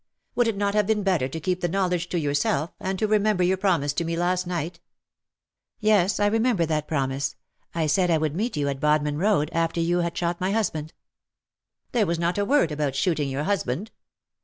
^^" Would it not have been better to keep the knowledge to yourself, and to remember your promise to me^ last night ?^'Yes^ I remember that promise. I said I would meet you at Bodmin Road, after you had shot my husband.'^ *^ There was not a word about shooting your husband.